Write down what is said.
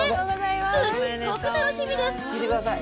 すっごく楽しみです。